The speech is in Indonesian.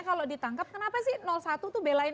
kalau ditangkap kenapa sih satu tuh belain